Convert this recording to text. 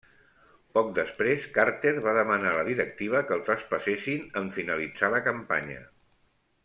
Poc després, Carter va demanar a la directiva que el traspassessin en finalitzar la campanya.